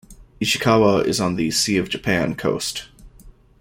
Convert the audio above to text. Ishikawa is on the Sea of Japan coast.